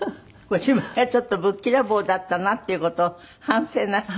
ご自分がちょっとぶっきらぼうだったなっていう事を反省なすった？